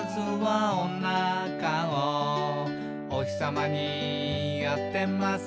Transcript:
「おひさまに当てます」